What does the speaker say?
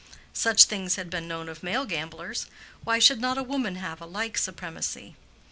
Such things had been known of male gamblers; why should not a woman have a like supremacy?